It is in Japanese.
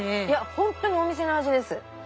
いや本当にお店の味です。